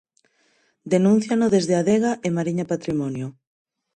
Denúnciano desde Adega e Mariña Patrimonio.